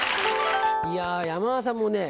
いや山田さんもね